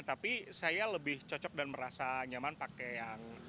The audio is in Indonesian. tapi saya lebih cocok dan merasa nyaman pakai yang